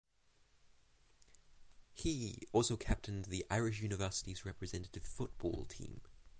He also captained the Irish Universities representative football team.